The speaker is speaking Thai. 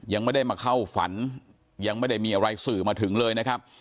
ยังไม่ได้มาเข้าฝันยังไม่ได้มีอะไรสื่อมาถึงเลยนะครับ